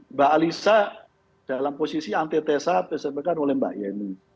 mbak alysa dalam posisi antitesa oleh mbak yeni